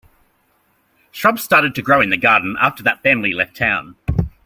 Shrubs started to grow in the garden after that family left town.